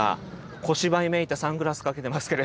小芝居めいたサングラスかけてますけれども。